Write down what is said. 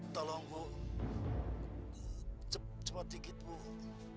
tolong bu cepat dikit bu